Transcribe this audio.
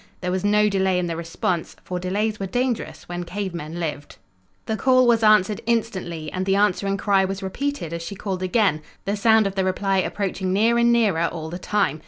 There was no delay in the response, for delays were dangerous when cave men lived. The call was answered instantly and the answering cry was repeated as she called again, the sound of the reply approaching near and nearer all the time.